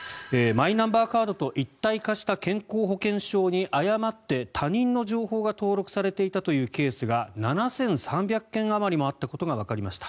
マイナンバーカードと一体化した健康保険証に誤って他人の情報が登録されていたというケースが７３００件あまりもあったことがわかりました。